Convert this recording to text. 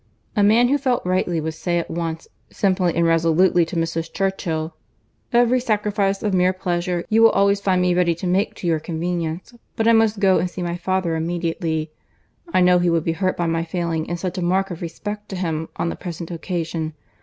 A man who felt rightly would say at once, simply and resolutely, to Mrs. Churchill—'Every sacrifice of mere pleasure you will always find me ready to make to your convenience; but I must go and see my father immediately. I know he would be hurt by my failing in such a mark of respect to him on the present occasion.